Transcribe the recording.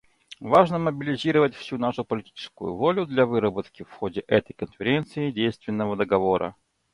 Важно мобилизовать всю нашу политическую волю для выработки в ходе этой Конференции действенного договора.